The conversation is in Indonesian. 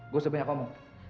gue sebanyak kamu